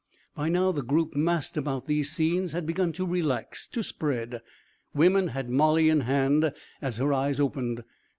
By now the group massed about these scenes had begun to relax, to spread. Women had Molly in hand as her eyes opened.